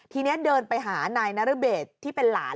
ทีนี้เดินไปหานายนรเบศที่เป็นหลาน